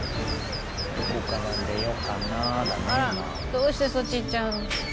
どうしてそっち行っちゃうの？